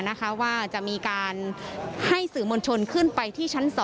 นะคะว่าจะมีการให้สื่อมวลชนขึ้นไปที่ชั้น๒